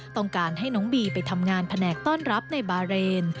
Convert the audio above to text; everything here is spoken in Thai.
ต้องการให้น้องบีไปทำงานแผนกต้อนรับในบาเรน